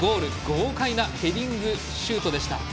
豪快なヘディングシュートでした。